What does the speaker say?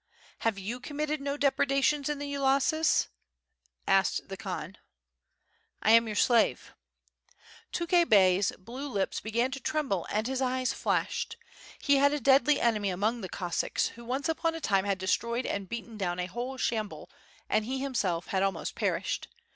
have you committed no depredations in the ulusas?" asked the Khan. "I am your slave." Tukhay Bey's blue lips began to tremble and his eyes flashed. He had a deadly enemy among the Cossacks, who once upon a time had destroyed and beaten down a whole chambul and he himself had almost perished.